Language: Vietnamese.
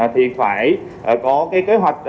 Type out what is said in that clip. thì phải có kế hoạch